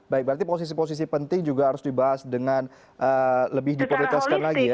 baik berarti posisi posisi penting juga harus dibahas dengan lebih diprioritaskan lagi ya